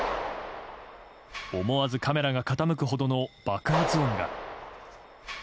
思わずカメラが傾くほどの爆発音が。